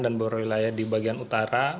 dan berulaya di bagian utara